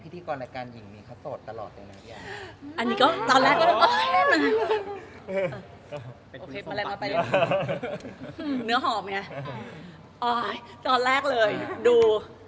ตอนแรกเลยดู